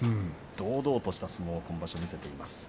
堂々とした相撲を今場所見せています。